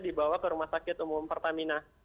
dibawa ke rumah sakit umum pertamina